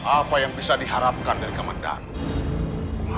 apa yang bisa diharapkan dari kemendak